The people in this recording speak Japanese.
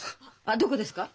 あっどこですか？